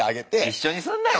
一緒にすんなよ